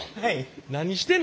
何してんの？